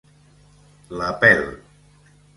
La pel